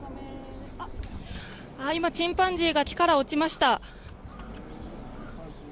今、チンパンジーが木から落ちました。